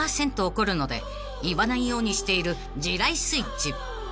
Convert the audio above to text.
怒るので言わないようにしている地雷スイッチ］